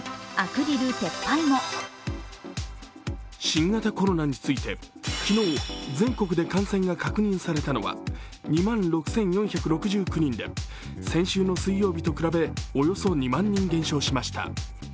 新型コロナについて、昨日全国で感染が確認されたのは２万６４６９人で、先週の水曜日と比べ、およそ２万人減少しました。